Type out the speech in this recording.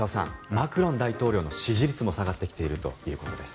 マクロン大統領の支持率も下がってきているということです。